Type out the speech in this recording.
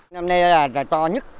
năm nay là to nhất